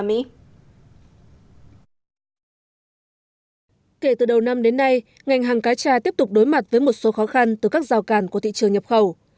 kể từ đầu năm đến nay ngành hàng cá trà tiếp tục đối mặt với một số khó khăn từ các rào càn của thị trường nhập khẩu